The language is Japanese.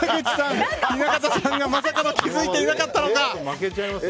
雛形さんがまさかの気付いてなかったのか。